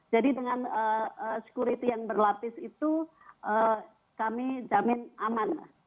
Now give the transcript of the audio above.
jadi dengan security yang berlapis itu kami jamin aman